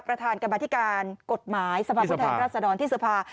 ประธานกรรมนาธิการกฎหมายสมัครพุทธแห่งราษนรที่สภา